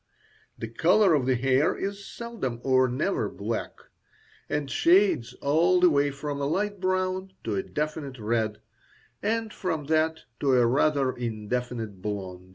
The colour of the hair is seldom or never black, and shades all the way from a light brown to a definite red, and from that to a rather indefinite blond.